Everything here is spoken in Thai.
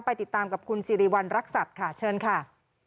ติดตามกับคุณสิริวัณรักษัตริย์ค่ะเชิญค่ะ